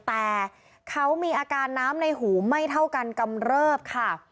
แต่เขามีอาการน้ำในหูไม่เท่ากันกำเริบค่ะ